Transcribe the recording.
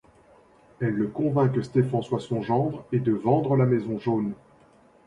Elle le convainc que Stefan soit son gendre et de vendre la maison jaune.